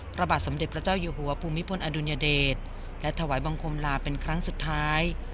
พระบาทสมเด็จพระเจ้าอยู่หัวภูมิพลอดุลยเดชและถวายบังคมลาเป็นครั้งสุดท้าย